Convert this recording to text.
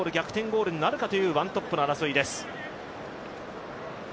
ゴールになるかというワントップの争いです。